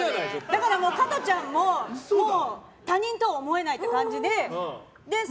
だから、加トちゃんも他人とは思えないって感じで。